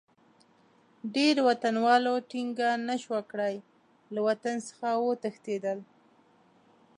ډېرو وطنوالو ټینګه نه شوای کړای، له وطن څخه وتښتېدل.